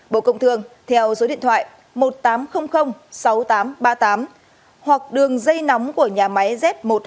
bộ công thương theo số điện thoại một nghìn tám trăm linh sáu nghìn tám trăm ba mươi tám hoặc đường dây nóng của nhà máy z một trăm hai mươi